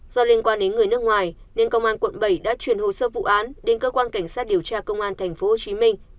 do liên quan đến người nước ngoài nên công an quận bảy đã truyền hồ sơ vụ án đến cơ quan cảnh sát điều tra công an thành phố hồ chí minh